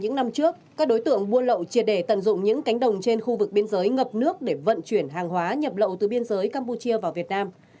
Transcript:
các đối tượng buôn lậu triệt để tận dụng những cánh đồng trên khu vực biên giới ngập nước để vận chuyển hàng hóa nhập lậu từ biên giới campuchia vào việt nam